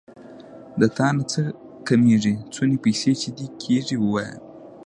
د تانه څه کمېږي څونه پيسې چې دې کېږي ووايه.